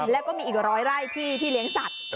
และมีอีกร้อยไหล่ที่แลงสัตว์